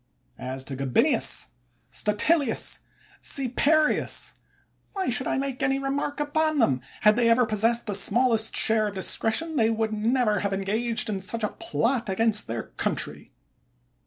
As to Gabinius, Statilius, Coeparius, why should I make any remark upon them ? Had they ever possessed the smallest share of discretion, they would never have engaged in such a plot against their coun try.